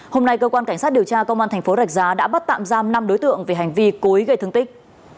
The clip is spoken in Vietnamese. hôm nay cơ quan cảnh sát điều tra công an thành phố rạch giá đã bắt tạm giam năm đối tượng về hành vi cố ý gây thương tích